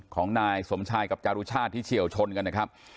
ของนายสมชายกับจารุชาติที่เฉียวชนกันนะครับ